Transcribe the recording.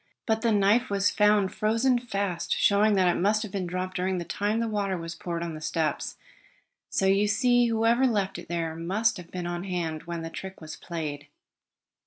But the knife was found frozen fast, showing that it must have been dropped during the time the water was poured on the steps. So you see whoever left it there must have been on hand when the trick was played."